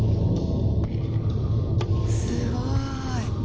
すごい。